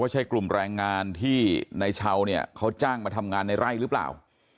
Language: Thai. ใช่กลุ่มแรงงานที่ในเช้าเนี่ยเขาจ้างมาทำงานในไร่หรือเปล่า